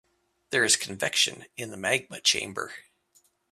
There is convection in the magma chamber.